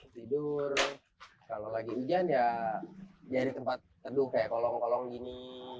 tidur kalau lagi hujan ya jadi tempat teduh kayak kolong kolong gini